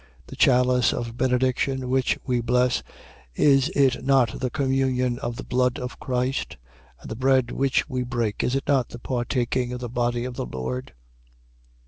10:16. The chalice of benediction which we bless, is it not the communion of the blood of Christ? And the bread which we break, is it not the partaking of the body of the Lord?